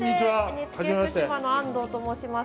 ＮＨＫ福島の安藤と申します。